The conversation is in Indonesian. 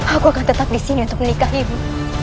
aku akan tetap disini untuk menikahimu